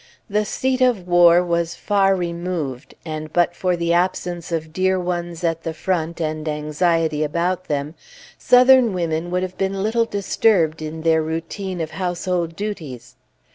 The seat of war was far removed, and but for the absence of dear ones at the front and anxiety about them, Southern women would have been little disturbed in their routine of household duties.